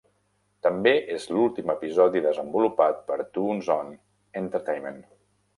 També és l'últim episodi desenvolupat per Toonzone Entertainment.